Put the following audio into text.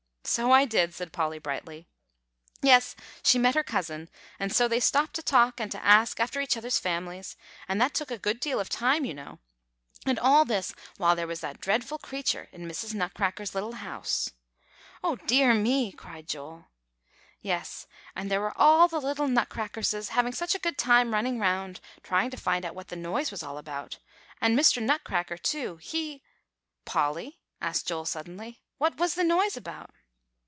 "So I did," said Polly brightly. "Yes, she met her cousin, and so they stopped to talk and to ask after each other's families; and that took a good deal of time, you know; and all this while there was that dreadful creature in Mrs. Nutcracker's little house." "Oh, dear me!" cried Joel. "Yes; and there were all the little Nutcrackerses having such a good time running round, trying to find out what the noise was all about, and Mr. Nutcracker, too, he" "Polly," asked Joel suddenly, "what was the noise about?"